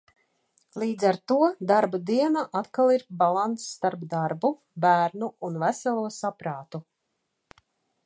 Līdz ar to, darba diena atkal ir balanss starp darbu, bērnu un veselo saprātu.